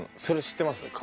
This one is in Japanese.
それ知ってます？